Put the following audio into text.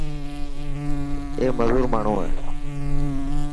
اي مزور ماڻهو هي.